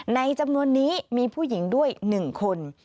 จำนวนนี้มีผู้หญิงด้วย๑คน